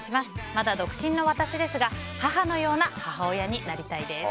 まだ独身の私ですが母のような母親になりたいです。